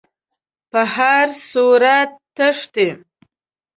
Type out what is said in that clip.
په هر صورت تښتي.